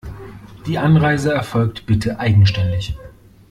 Die Anreise erfolgt bitte eigenständig.